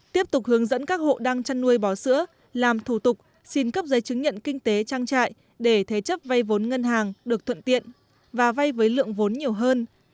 tiếp tục hướng dẫn các hộ đang chăn nuôi bò sữa làm thủ tục xin cấp giấy chứng nhận kinh tế trang trại để thế chấp vay vốn ngân hàng được thuận tiện và vay với lượng vốn nhiều hơn